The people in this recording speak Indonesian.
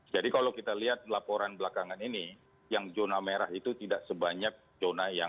jadi kalau kita lihat laporan belakangan ini yang zona merah itu tidak sebanyak zona hijau